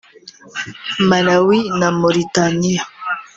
Malawi na Moritaniya